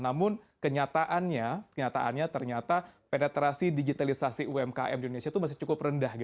namun kenyataannya kenyataannya ternyata penetrasi digitalisasi umkm di indonesia itu masih cukup rendah